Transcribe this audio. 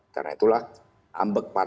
karena itulah ambeg para martir